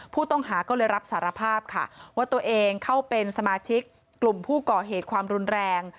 ผู้ต้องหาก็เลยรับสารภาพค่ะว่าตัวเองเข้าเป็นสมาชิกกลุ่มผู้ก่อเหตุความรุนแรง